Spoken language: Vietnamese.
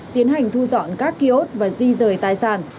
tiến hành thu dọn các kiosk và di rời tài sản